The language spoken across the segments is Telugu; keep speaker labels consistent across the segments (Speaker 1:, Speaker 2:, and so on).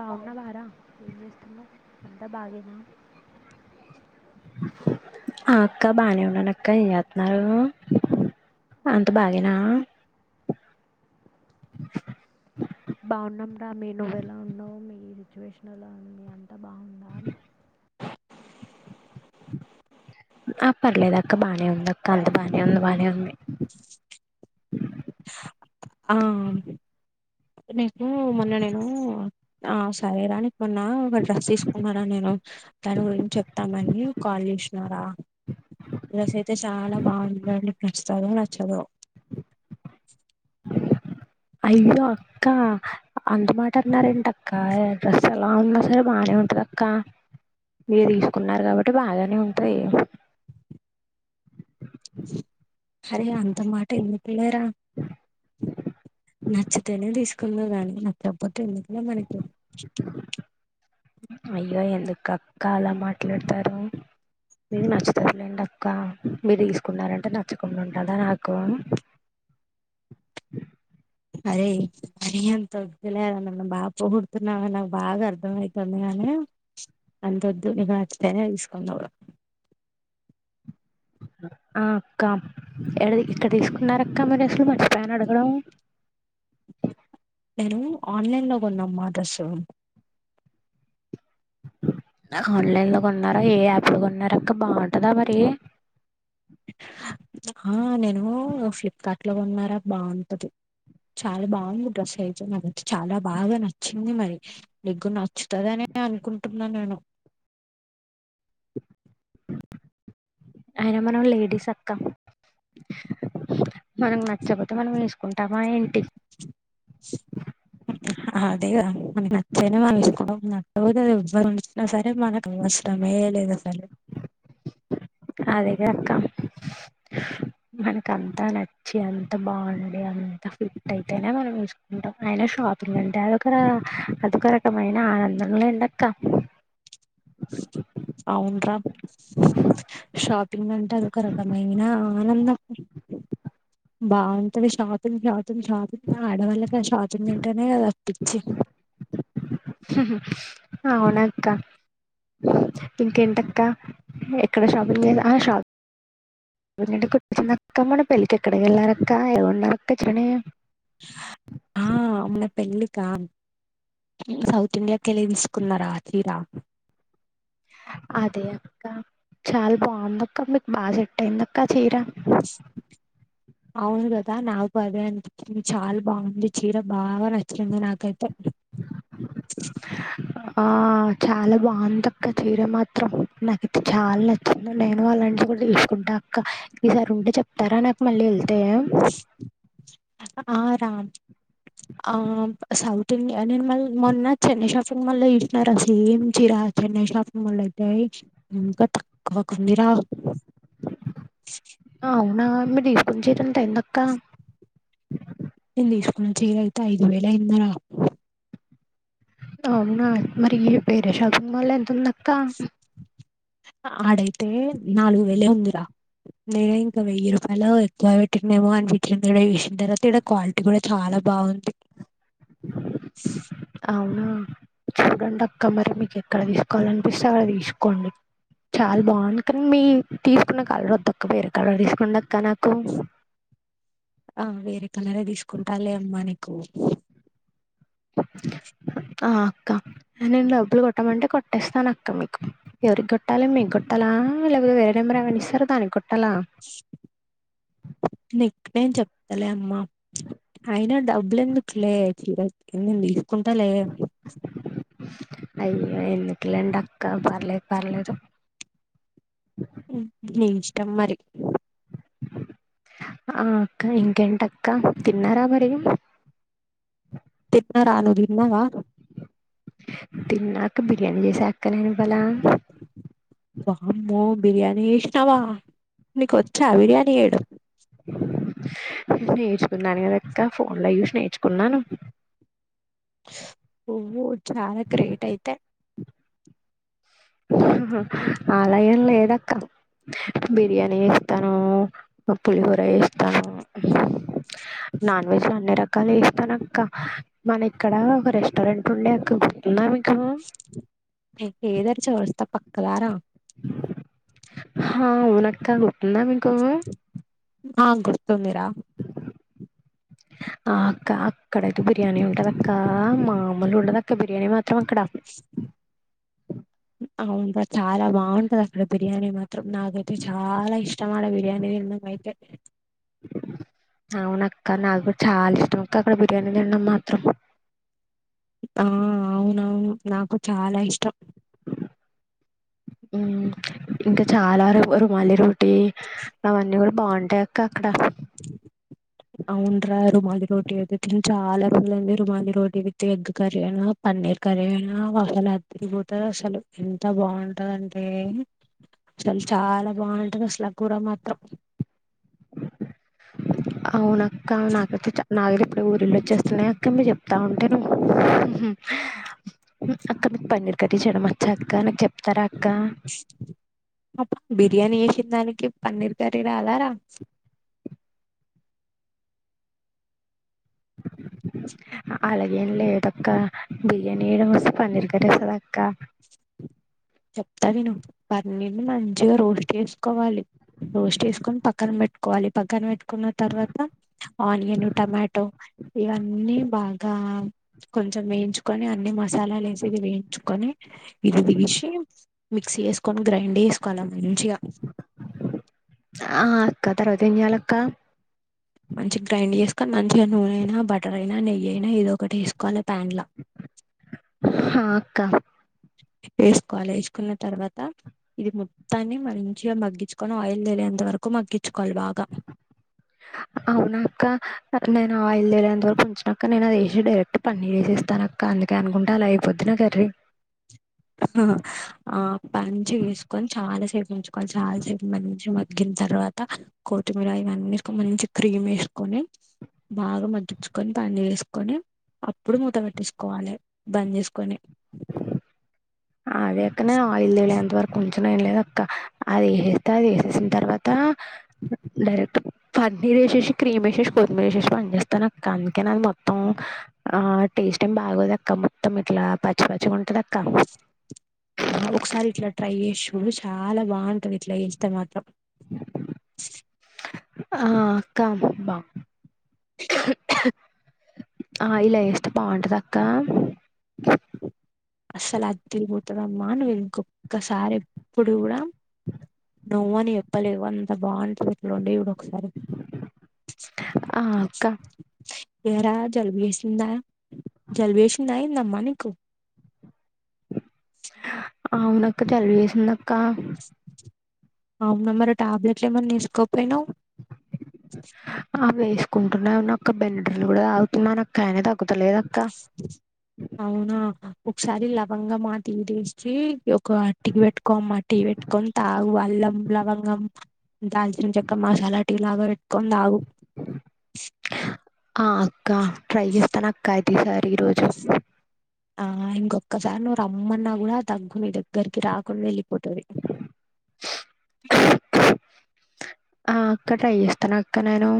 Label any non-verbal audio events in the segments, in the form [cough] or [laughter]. Speaker 1: బాగున్నావరా ఏం చేస్తున్నావు అంతా బాగేనా
Speaker 2: ఆ అక్క బాగానే ఉన్నాను అక్క ఏం చేస్తున్నారు అంత బాగేనా
Speaker 1: బాగున్నాం రా మీ నువ్వెలా ఉన్నావు మీ సిచ్యువేషన్లా అంతా బాగు
Speaker 2: [inaudible] ఆ పర్లేదు అక్క బానే ఉంది అక్క అంత బాగానే ఉంది బానే ఉంది
Speaker 1: ఆ నేను మొన్న నేను ఆ సరే రాని మొన్న ఒక డ్రెస్ తీసుకున్నారా నేను దాని గురించి చెప్తామని కాల్ చేసినారా డ్రెస్ అయితే చాలా బాగుంది నచ్చుతాయో నచ్చవో
Speaker 2: అయ్యో అక్క అంత మాట అన్నారేంట అక్క డ్రెస్ ఎలా ఉన్నా సరే బాగానే ఉంటది అక్క మీరు తీసుకున్నారు కాబట్టి బాగానే ఉంటయి
Speaker 1: అరే అంత మాట ఎందుకు లేరా నచ్చితేనే తీసుకుందు కాని నచ్చకపోతే ఎందుకు ఎల మనకి [inaudible]
Speaker 2: అయ్యో ఎందుకు అక్క అలా మాట్లాడతారు మీరు నచ్చుతారులేండి అక్క మీరు తీసుకున్నారంటే నచ్చకుండా ఉంటాద నాకు
Speaker 1: అరే మరి అంతద్దులేర నన్ను బాగ పొగుడుతున్నావని నాకు బాగా అర్థం అవుతుంది గానీ అంతొద్దు నీకు నచ్చితేనే తీసుకుందువు
Speaker 2: ఆ ఎడ [unintelligible] ఇక్కడ తీసుకు నరకమరిసులు [inaudible] మర్చిపోయాను ఆడగడం
Speaker 1: నేను ఆన్లైన్ లో కొన్నాను ఆ డ్రస్సు
Speaker 2: ఆన్లైన్ లో కొన్నారా ఏ యాప్ లొ కొన్నారక్క బాగుంటందా మరి
Speaker 1: ఆ నేను ఫ్లిప్కార్ట్ లో కోన్నారా బాగుంటది చాలా బాగుంది డ్రెస్ అయితే నాకైతే చాలా బాగా నచ్చింది మరి నీకు నచ్చుతుదని అనుకుంటున్నా నేను
Speaker 2: అయిన మనం లేడీస్ అక్క మనకు నచ్చకపోతే మనం వేసుకుంటామా ఏంటి
Speaker 1: అదే కదా మనకు నచ్చితేనే మనకో నట్టపోదు ఎవ్వరుఏమన్నా సరే మనకు అవసరమే లేదు సరే
Speaker 2: అదేగా అక్క మనకంతా నచ్చి అంత బాగుంది అంత ఫిట్ అయితేనే మనం వేసుకుంటాం అయిన షాపింగ్ అంటే అదొక అదొక రకమైన ఆనందం లేండ అక్క
Speaker 1: అవునురా షాక్ షాపింగ్ అంటే అదొ ఒక రకమైన ఆనందం బాగుంటది షాపింగ్ షాపింగ్ షాపింగ్ ఆడవాళ్లకి షాపింగ్ అంటేనే అది ఓ పిచ్చి
Speaker 2: హ్ హ్ అవునక్క ఇంకేంటక్క ఎక్కడ షాపింగ్ షా అంటే గుర్తొచ్చింది మొన్న పెళ్ళికి ఎక్కడికి వెళ్ళారక్క ఏ ఊళ్ళో అక్క
Speaker 1: ఆ మొన్న పెళ్ళిక సౌత్ ఇండియాకి వెళ్ళి తీసుకున్నారా చీరా
Speaker 2: అదే అక్క చాలా బాగుందక్క మీకు బాగా సేట్ అయిందక్క చీర
Speaker 1: అవును కదా నాకు అదే అనిపించింది చాలా బాగుంది చీర బాగా నచ్చింది నాకైతే
Speaker 2: ఆ చాలా బాగుంది అక్క చీర మాత్రం నాకైతే చాలా నచ్చింది నేను అలాంటివి కూడా తీసుకుంటా అక్క ఈసారి ఉంటే చెప్తారా నాకు మళ్ళీ వెళ్తే
Speaker 1: హా రా ఆ సౌత్ ఇండియా నేను మల్ [unintelligible] మొన్న చెన్నై షాపింగ్ మాల్ లో చూసినారా సేమ్ చీర చెన్నై షాపింగ్ మాల్లొ అయితే ఎంత తక్కువ కి ఉందిరా
Speaker 2: అవునా మీరు తీసుకున్న చీర ఎంతయింది అక్క
Speaker 1: నేను తీసుకున్న చీర అయితే ఐదు వేల అయిందిర
Speaker 2: అవునా మరి వేరే షాపింగ్ మాల్ ఎంత ఉంది అక్కా
Speaker 1: ఆడైతే నాలుగు వేలే ఉందిరా నేను ఇంకా వెయ్యి రూపాయలు ఎక్కువ పెట్టినేమో అనిపించింది ఇక్కడ చేసిన తర్వాత ఇక్కడ క్వాలిటీ కూడా చాలా బాగుంది
Speaker 2: అవునా చూడండి అక్క మరి మీకు ఎక్కడ తీసుకోవాల అనిపిస్తే అక్కడ తీసుకోండి చాలా బాగుంది కానీ మీ తీసుకున్న కలర్ వద్దక్క వేరే కలర్ తీసుకొండి అక్క నాకు
Speaker 1: ఆ వేరే కలరే తీసుకుంటాలె అమ్మా నీకు
Speaker 2: ఆ అక్క నేను డబ్బులు కొట్టమంటే కొట్టేస్తానక్క మీకు ఎవరికి కొట్టాలి మీకు కొట్టాలా లేకపోతే వేరే నెంబరు ఏమనా ఇస్తార దానికి కొట్టాలా
Speaker 1: నిక్ నేన్ చెప్తలే అమ్మా అయినా డబ్బులు ఎందుకులే చీరందండి కుంటలే
Speaker 2: ఎందుకులెండక్క పర్లేదు పర్లేదు
Speaker 1: నీ ఇష్టం మరి
Speaker 2: ఆ అక్క ఇంకేంటక్క తిన్నారా మరి
Speaker 1: తిన్నారా నువ్ తిన్నవా
Speaker 2: తిన్నాక బిర్యానీ చేసా అక్క నేను ఇవాళ
Speaker 1: వామ్మో బిర్యానీ చేసినావా నీకొచ్చా బిర్యానీ చేయడం
Speaker 2: నేర్చుకున్నాను కదక్క ఫోన్ లో చుసి నేర్చుకున్నాను
Speaker 1: నువ్వు చాలా గ్రేట్ అయితే
Speaker 2: మ్మ్ ఆలగేం లేదక్క బిర్యానీ వేస్తాను పులిహోరా వేస్తాను నాన్ వెజ్లు అన్ని రకాలు వేస్తాను అక్క మన ఇక్కడ ఒక రెస్టారెంట్ ఉండే అక్కంటుంద
Speaker 1: ఏ ఏదరీ చోర్ త పక్కదార
Speaker 2: హా ఊనక్క ఉందా మీకు
Speaker 1: ఆ గుర్తుందిరా
Speaker 2: ఆ అక్క అక్కడైతే బిర్యానీ ఉంటదక్క మామూలు ఉండదు అక్క బిర్యానీ మాత్ త్రమక్కడ
Speaker 1: అవును రా చాలా బాగుంటది అక్కడ బిర్యానీ మాత్రం నాకైతే చాలా ఇష్టం ఆడ బిర్యానీ తినడం అయితే
Speaker 2: అవునక్క నాకు కూడా చాలా ఇష్టం అక్క అక్కడ బిర్యానీ తినడం మాత్రం
Speaker 1: ఆ అవునవు నాకు చాలా ఇష్టం
Speaker 2: మ్మ్ ఇంకా చాలా ర రుమాలి రో టీ అవన్నీ కూడ బాగుంటాయక్క అక్కడ
Speaker 1: అవునురా రుమాలి రోటీ అయితే తిని చాలా రోజులయింది rumali roti with egg curry అయినా పన్నీర్ కర్రీ అయినా అసలు అదిరిపోతంది అసలు ఎంత బాగుంటదంటే అసలు చాలా బాగుంటది అసలు కూడా మాత్రం
Speaker 2: అవునక్క నాకైతే చా నాకైతే ఇప్పుడు ఊరిల్లోచుస్తున్నాయి అక్క మీరెప్ చెప్తా ఉంటే నువ్ అక్క నకు పన్నీర్ కర్రీ చేయడం వచ్చా అక్క నాకు చెప్తారా అక్క
Speaker 1: అప్ బిర్యానీ చేసిన దానికి పన్నీర్ కర్రీ రాదరా
Speaker 2: అలాగేం లేదక్క బిర్యానీ చేయడం వస్తే పన్నీర్ కర్రీ వస్తదక్క
Speaker 1: చెప్తా విను పన్నీర్ ని మంచిగా రోస్ట్ చేసుకోవాలి రోస్ట్ చేసుకొని పక్కన పెట్టుకోవాలి పక్కన పెట్టుకున్న తర్వాత ఆనియన్ టమాటో ఇవన్నీ బాగా కొంచెం వేయించుకొని అన్ని మ మసాలాలు వేసేది వేయించుకొని అ ఇదదిగీషి మిక్సీ చేసుకొని గ్రైండ్ చేేసుకోవాలం
Speaker 2: ఆ అక్క తర్వవాత ఏం చేయాలి అక్క
Speaker 1: మంచి గా గ్రైండ్ చేసుకని మంచిగా నూనె అయినా బటర్ అయినా నెయ్యి అయినా ఏదో ఒకటి వసుకోవాల ప్యాన్లా
Speaker 2: క్క
Speaker 1: వేసుకోవాలి వేసుకున్న తర్వాత ఇది మొత్తాన్ని మంచిగా మగ్గించుకొని ఆయిల్ తేలేంత వరకు మగ్గిం
Speaker 2: అవునా అక్క రే నేను ఆయిల్ తెేలేంత వరకు ఉంచినాక నేను అది వేసి డైరెక్ట్ పన్నీర్ వేసేస్తాను అక్క అందుకే అనుకుంట అలా అయిపోద్ది నా కర్రీ
Speaker 1: ఆ హా పంచి గా ఏసుకొని చాలా సేపు ఉంచుకోవాలి చాలాసేపు మంచి గా మగ్గిన తర్వాత కొత్తిమీర ఇవన్నీ ఎసుకొని మంచి క్రీమ్ వేసుకొని బాగా మగ్గించుకొని పన్నీర్ వేసుకొని అప్పుడు మూత పెట్టేసుకోవాలి బంద్ చేసుకొని
Speaker 2: అదే అక్క నే ఆయిల్ తేలే అంత వరకు ఉంచను ఏం లేదు అక్క అది వేసేస్తే అది వేసేసిన తర్వాత డైరెక్ట్ పన్నీర్ వేసేసి క్రీమ్ వేసేసి కొత్తిమీర వేసేసి బంద్ చేస్తాను అక్క అందుకే అది మొత్తం ఆ టేస్ట్ ఏం బాగోదు అక్క మొత్తం ఇట్లా పచ్చి పచ్చిగా ఉంటది అక్క
Speaker 1: ఆ ఒకసారి ఇట్లా ట్రై చేస్ చూడు చాలా బాగుంటది ఇట్లా ఏస్తే మాత్రం
Speaker 2: ఆ అక్క మ్ బా ఆ ఇలా ఎస్తే బాగుంటదా అక్క
Speaker 1: అస్సలు అదిరిపోతదమ్మా నువ్వు ఇంకొక్కసారి ఎప్పుడు కూడా
Speaker 2: [unintelligible]
Speaker 1: నువ్వు అని చెప్పలేవు అంత బాగుంటది ఇట్లా వండి ఈడు
Speaker 2: ఆ అక్క
Speaker 1: ఎరా జలుబు చేసిందా జలుబ చేసిందా ఏందమ్మా నీకు
Speaker 2: అవునక్క జలుబు చేేసింది నక్ క్క
Speaker 1: అవునా మరి టాబ్లెట్లు ఏమన్నా వేసుకోపోయినావు
Speaker 2: అవే స్ క్కుంటునే ఉన్న అక్క బెన్నడ్రిలు కూడా తాగుతున్నానక్క అయినా తగ్గుతలేదు అ
Speaker 1: అవునా కసారి లవంగా మాటిటేస్టీ ఒక అట్టికి పెట్టుకో అట్కి పెట్టుకొని తాగు అల్లం లవంగం దాల్చిన చెక్క, మసాలా డ్ టీ లాగా పెట్కొని తాగు
Speaker 2: ఆ అక్క ట్రై చేస్తాను అక్క అయితే ఈ సారి ఈరోోజు
Speaker 1: ఆ ఇంకొక్కసారి నువ్వు రమ్మన్నా కూడా దగ్గు నీ దగ్గరికి రాకుండా వెళ్ళిపోతది
Speaker 2: ఆ అక్క ట్రై చేస్తాను అక్క నేను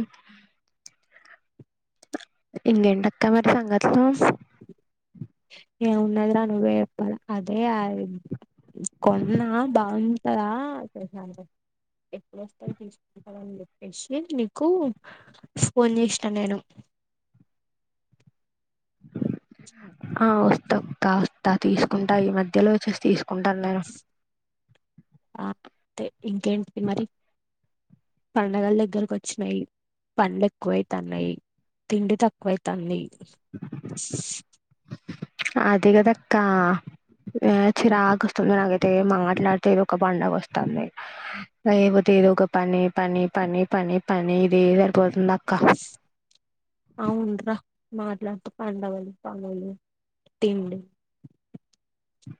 Speaker 2: ఇంగేటి అక్క మరి సంగత్ తు మ్
Speaker 1: ఏం ఉన్నది రా నువ్వే చెప్పాల అదే కొన్నా బాగుంటదా చేసాం ఎప్పుడు వస్తావ్ తీసుకుంటరు అని చెప్పేసిి నీకు ఫోన్ చేసినా నేను
Speaker 2: ఆ వస్తా అక్క వస్తా తీసుకుంటా ఈ మధ్యలో వచ్చేసి తీస్ కుంటన్ నేను
Speaker 1: టే ఇంకేంటి ది మరి పండగలు దగ్గరకు వచ్చినాయి పన్లు ఎక్కువైతాన్నాయి తిండి తక్కువైతాంది [inaudible]
Speaker 2: అది కదే అక్క చిరాకు వస్తుంది నాకైతే మా మాట్లాడితే ఏదో ఒక పండుగ వస్తుంది అపోతే ఏదో ఒక పని పని పని పని పని ఇది సరిపోతుంది అ
Speaker 1: అవునురా మాట్లాడుతూ పండగలు పగలు తిండి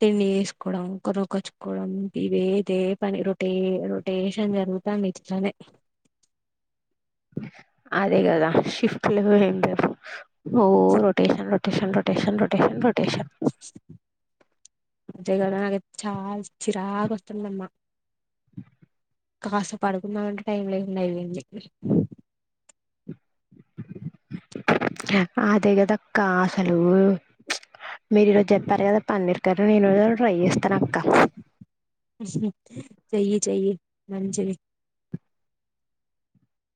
Speaker 1: తిండి వేసుకోవడం కూరగచుకోవడం ఇవే ఇదే పని రొటే రొటేషన్ జరుగుతా ఇట్లోనే
Speaker 2: అదే కదా షిఫ్ట్లు ఏంది ఓ rotation rotation rotation rotation rotation
Speaker 1: [unintelligible] చిరాకు వస్తుందమ్మా కాస్త పడుకున్నామంటే టైం లేకుండా అయ్యింది
Speaker 2: అదే కదక్క అసలు మీరు ఈరోజు చెప్పారు కదా పన్నీర్ కర్రీ నేను కూడా ట్రై చేస్తాను అక్క
Speaker 1: చెయ్యి చెయ్యి మంచిది